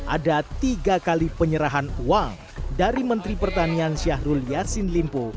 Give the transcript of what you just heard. ada tiga kali penyerahan uang dari menteri pertanian syahrul yassin limpo